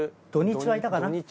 土日はいたかな。